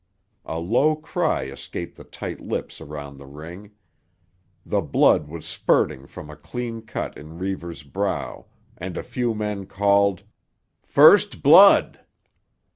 A low cry escaped the tight lips around the ring. The blood was spurting from a clean cut in Reivers' brow and a few men called— "First blood!"